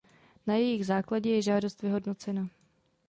Na jejich základě je žádost vyhodnocena.